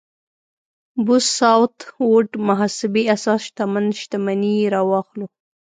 بوث ساوت ووډ محاسبې اساس شتمن شتمني راواخلو.